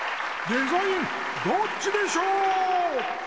「デザインどっちでショー」！